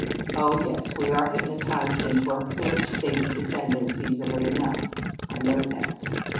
Oh, yes, we are hypnotized into our foolish state of dependence easily enough! I know that.